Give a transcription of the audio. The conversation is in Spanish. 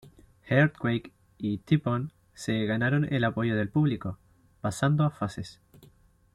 Earthquake y Typhoon se ganaron el apoyo del público, pasando a faces.